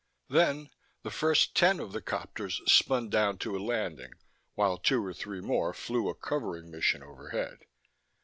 Then the first ten of the copters spun down to a landing, while two or three more flew a covering mission overhead.